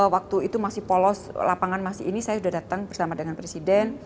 waktu itu masih polos lapangan masih ini saya sudah datang bersama dengan presiden